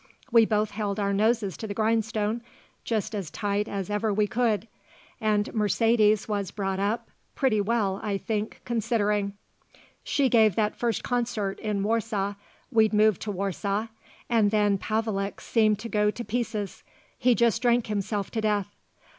We both held our noses to the grindstone just as tight as ever we could, and Mercedes was brought up pretty well, I think, considering. "She gave that first concert in Warsaw we'd moved to Warsaw and then Pavelek seemed to go to pieces. He just drank himself to death.